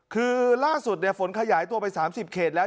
คือล่าสุดเนี่ยฝนขยายตัวไปสามสิบเขตแล้ว